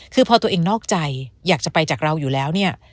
คือพอตัวเองนอกใจอยากจะไปจากเราอยู่แล้วเนี่ย